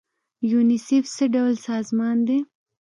یونیسف څه ډول سازمان دی؟